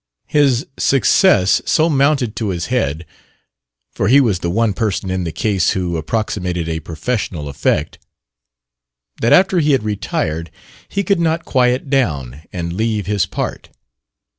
His success so mounted to his head (for he was the one person in the case who approximated a professional effect) that after he had retired he could not quiet down and leave his part.